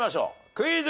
クイズ。